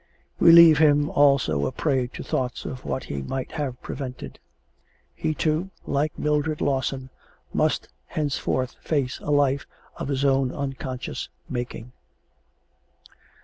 We leave him also a prey to thoughts of what he might have prevented. He, too, like Mildred Lawson, must henceforth face a life of his own unconscious making.